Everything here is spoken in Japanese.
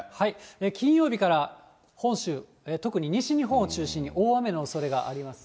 金曜日から本州、特に西日本を中心に、大雨のおそれがあります。